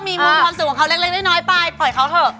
มีมุมความสุขของเขาเล็กน้อยปภายป่อยเขาเข้า